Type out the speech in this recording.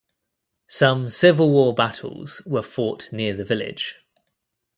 Some Civil War battles were fought near the village.